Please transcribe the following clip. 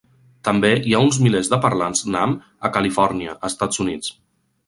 També hi ha uns milers de parlants mam a Califòrnia, Estats Units.